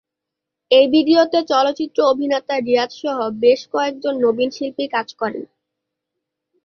এই ভিডিওতে চলচ্চিত্র অভিনেতা রিয়াজ সহ বেশ কয়েকজন নবীন শিল্পী কাজ করেন।